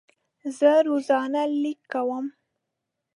زه روزانه لیک کوم.